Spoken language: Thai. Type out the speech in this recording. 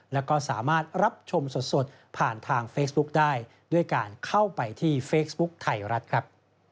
แล้วก็สามารถรับชมสดผ่านทางเฟซบุ๊กได้ด้วยการเข้าไปที่เฟซบุ๊คไทยรัฐครับ